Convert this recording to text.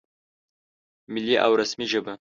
ملي او رسمي ژبه